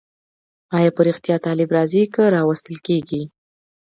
آیا په رښتیا طالب راځي که راوستل کېږي؟